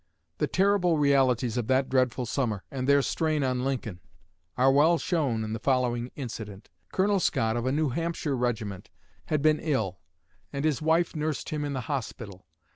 The terrible realities of that dreadful summer, and their strain on Lincoln, are well shown in the following incident: Colonel Scott, of a New Hampshire regiment, had been ill, and his wife nursed him in the hospital.